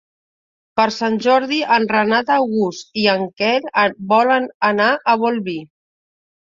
Per Sant Jordi en Renat August i en Quel volen anar a Bolvir.